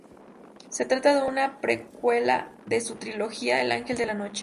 Se trata de una precuela de su trilogía El Ángel de la Noche.